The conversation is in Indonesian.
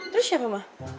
terus siapa ma